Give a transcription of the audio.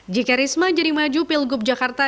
jika risma jadi maju pilgub jakarta